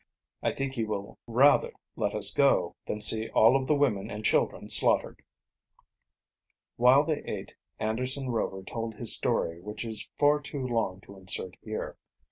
I think he will rather let us go than see all of the women and children slaughtered." While they ate, Anderson Rover told his story, which is far too long to insert here.